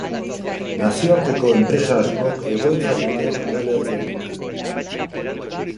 Nazioarteko enpresa askok egoitza dute udalerri honetan.